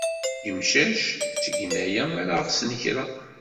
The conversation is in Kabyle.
Imcac ttgen aya mi ara ɣsen kra.